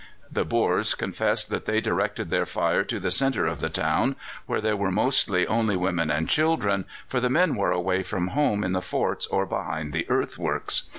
The Boers confessed that they directed their fire to the centre of the town, where there were mostly only women and children, for the men were away from home in the forts or behind the earthworks.